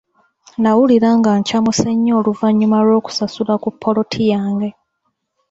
Nawulira nga nkyamuse nnyo oluvannyuma lw'okusasula ku ppoloti yange.